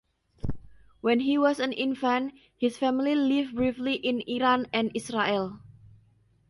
When he was an infant, his family lived briefly in Iran and Israel.